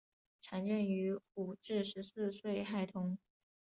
常见于五至十四岁孩童。